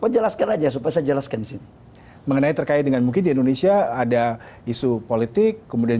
jelas kerajaan supaya jelaskan mengenai terkait dengan mungkin di indonesia ada isu politik kemudian